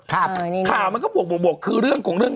ข่าวมันบวกบวกคือมีเรื่อง